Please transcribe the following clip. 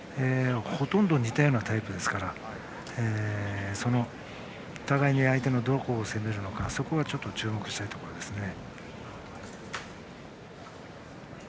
ほとんど似たようなタイプですからお互いに相手のどこを攻めるのかそこが注目したいところですね。